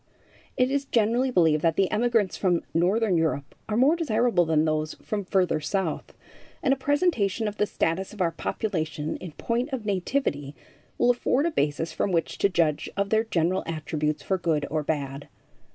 It is generally believed that the emigrants from northern Europe are more desirable than those from further south, and a presentation of the status of our population in point of nativity will afford a basis from which to judge of their general attributes for good or bad.